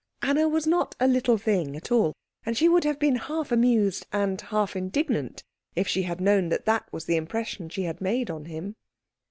Anna was not a little thing at all, and she would have been half amused and half indignant if she had known that that was the impression she had made on him.